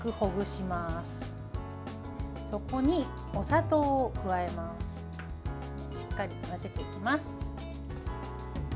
しっかりと混ぜていきます。